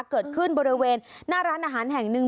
เกิดขึ้นบริเวณหน้าร้านอาหารแห่งหนึ่ง